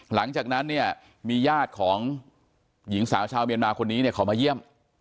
หลังจากนั้นมีญาติของหญิงสาวชาวเมียนมาส์คนนี้เขามาเยี่ยม